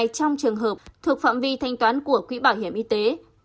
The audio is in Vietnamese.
trong trường hợp thuộc phạm vi thanh toán của quỹ bảo hiểm y tế